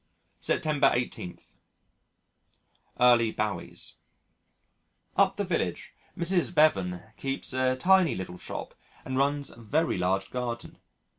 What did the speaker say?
September 18. Early Boughies Up the village, Mrs. Beavan keeps a tiny little shop and runs a very large garden.